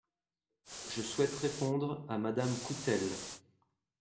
Je souhaite répondre à Madame Coutelle.